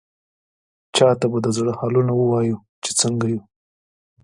چا ته به د زړه حالونه ووايو، چې څنګه يو؟!